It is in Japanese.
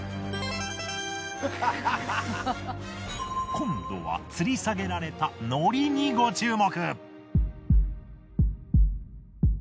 今度はつり下げられたのりにご注目。